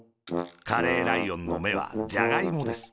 カレーライオンのめは、ジャガイモです。